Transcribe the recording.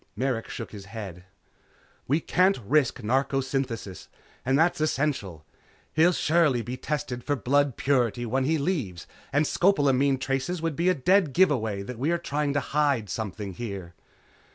Merrick shook his head. "We can't risk narcosynthesis and that's essential. He'll surely be tested for blood purity when he leaves, and scopolamine traces would be a dead give away that we had been trying to hide something here."